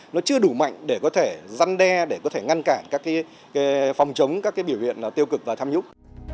nó chưa đủ mạnh để có thể răn đe để có thể ngăn cản các phòng chống các biểu hiện tiêu cực và tham nhũng